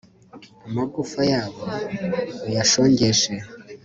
amagufa yabo uyashongeshe